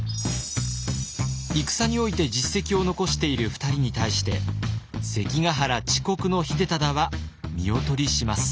戦において実績を残している２人に対して関ヶ原遅刻の秀忠は見劣りします。